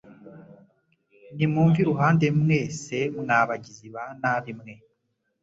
Nimumve iruhande mwese mwa bagizi ba nabi mwe